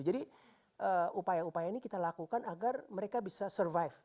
jadi upaya upaya ini kita lakukan agar mereka bisa survive